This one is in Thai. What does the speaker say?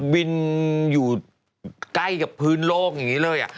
บินอยู่ใกล้กับพื้นโลกอย่างนี้เลย